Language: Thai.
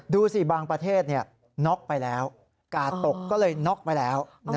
ดูสิบางประเทศน็อกไปแล้วกาดตกก็เลยน็อกไปแล้ว